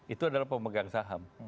itu adalah pemegang saham